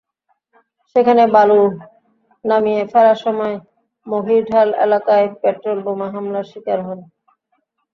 সেখানে বালু নামিয়ে ফেরার সময় মঘিরঢাল এলাকায় পেট্রলবোমা হামলার শিকার হয়।